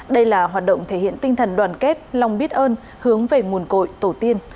đây là hoạt động thể hiện tinh thần đoàn kết lòng biết ơn hướng về nguồn cội tổ tiên